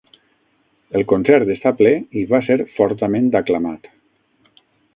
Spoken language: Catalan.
El concert està ple i va ser fortament aclamat.